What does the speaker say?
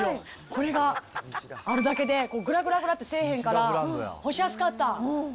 これがあるだけでぐらぐらぐらってせえへんから、干しやすかった。